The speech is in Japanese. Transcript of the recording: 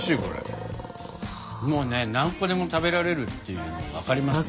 もうね何個でも食べられるっていうのわかりますね。